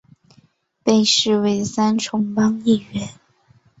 被视为三重帮一员。